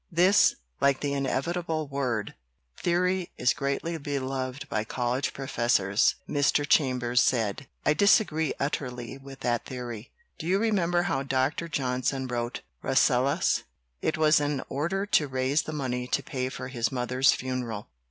This, like the " inevitable word" theory, is^greatly beloved by college professors. Mr. Chambers said : "I disagree utterly with that theory. Do you remember how Dr. Johnson wrote Rasselas? It was in order to raise the money to pay for his mother's funeral.